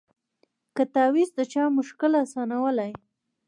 که تعویذ د چا مشکل آسانولای